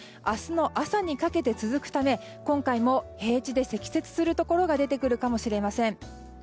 明日の朝にかけて続くため今回も平地で積雪するところが出てくるかもしれません。